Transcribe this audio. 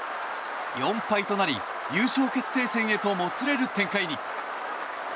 ４敗となり優勝決定戦へともつれる展開に。